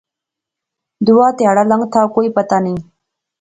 دوہا تہاڑا لنگتھا کوئی پتہ نیں